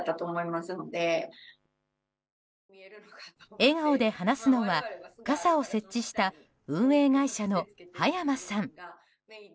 笑顔で話すのは、傘を設置した運営会社の葉山さん。